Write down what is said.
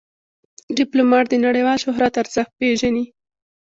ډيپلومات د نړیوال شهرت ارزښت پېژني.